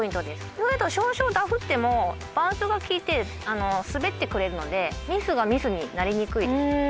そうすると少々ダフってもバンスが効いて滑ってくれるのでミスがミスになりにくいです。